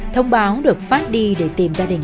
thông báo được phát đi để tìm gia đình